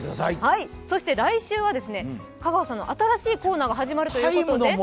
そして来週は香川さんの新しいコーナーが始まるということで。